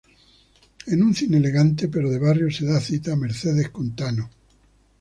En un cine elegante, pero de barrio, se da cita Mercedes con Tano.